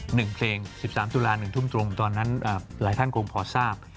หนึ่งเพลงสิบสามตุลาหนึ่งทุ่มตรงตอนนั้นหลายท่านคงพอทราบ